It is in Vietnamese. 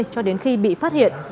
cho đến khi bị phát hiện